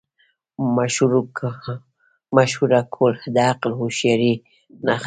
مشوره کول د عقل او هوښیارۍ نښه ده.